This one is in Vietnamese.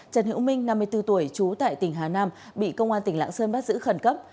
trần hiễu minh năm mươi bốn tuổi trú tại tỉnh hà nam bị công an tỉnh lạng sơn bắt giữ khẩn cấp